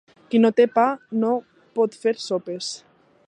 Qui no té pa no pot fer sopes.